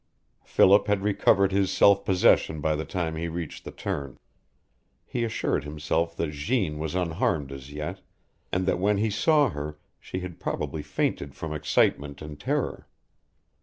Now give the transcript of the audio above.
Philip had recovered his self possession by the time he reached the turn. He assured himself that Jeanne was unharmed as yet, and that when he saw her she had probably fainted from excitement and terror.